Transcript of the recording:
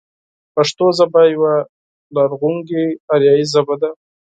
پښتو ژبه يوه لرغونې اريايي ژبه ده.